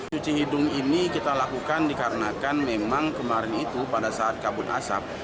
cuci hidung ini kita lakukan dikarenakan memang kemarin itu pada saat kabut asap